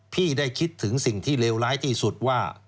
พี่ได้คิดถึงสิ่งที่เลวร้ายที่สุดว่า